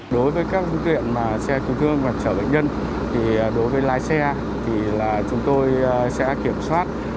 đối với các phương tiện xe cứu thương và chở bệnh nhân đối với lái xe thì chúng tôi sẽ kiểm soát